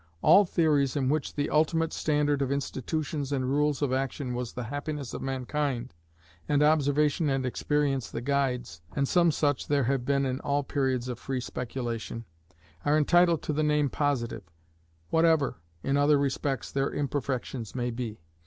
All theories in which the ultimate standard of institutions and rules of action was the happiness of mankind, and observation and experience the guides (and some such there have been in all periods of free speculation), are entitled to the name Positive, whatever, in other respects, their imperfections may be.